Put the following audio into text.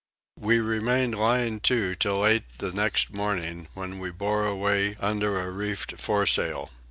We remained lying to till eight the next morning when we bore away under a reefed fore sail.